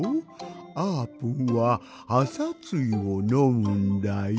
あーぷんはあさつゆをのむんだよ！